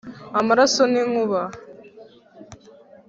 amaraso n'inkuba